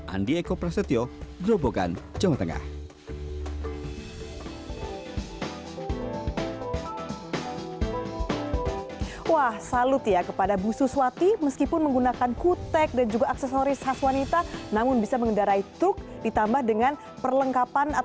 andi eko prasetyo gerobogan jawa tengah